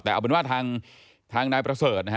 แต่เอาเป็นว่าทางนายประเสริฐนะฮะ